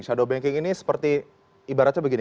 shadow banking ini seperti ibaratnya begini